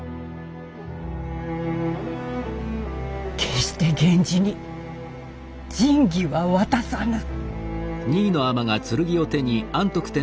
決して源氏に神器は渡さぬ。